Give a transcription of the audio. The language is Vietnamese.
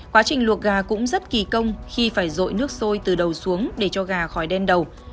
quá trình luộc gà cũng rất kỳ công khi phải rội nước sôi từ đầu xuống để cho gà khỏi đen đầu